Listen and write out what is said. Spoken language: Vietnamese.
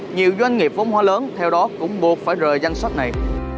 nhiều doanh nghiệp vốn hóa lớn theo đó cũng buộc phải rời danh sách này